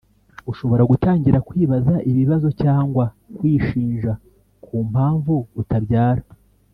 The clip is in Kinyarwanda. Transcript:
Ushobora gutangira kwibaza ibibazo cyangwa kwishinja ku mpamvu utabyara